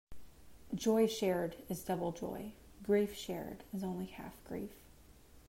Joy shared is double joy; grief shared is only half grief.